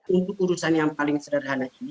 untuk urusan yang paling sederhana ini